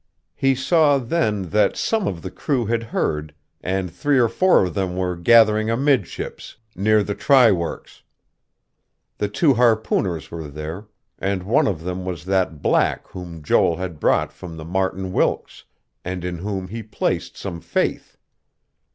He saw, then, that some of the crew had heard, and three or four of them were gathering amidships, near the try works. The two harpooners were there; and one of them was that black whom Joel had brought from the Martin Wilkes, and in whom he placed some faith.